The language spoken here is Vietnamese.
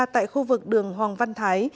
tại khu vực đường hoàng văn thái